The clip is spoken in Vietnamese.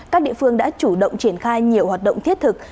các địa phương đã chủ động triển khai nhiều hoạt động thiết thực